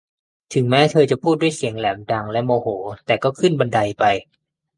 ถึงแม้เธอจะพูดด้วยเสียงแหลมดัง และ โมโห แต่ก็ขึ้นบันไดไป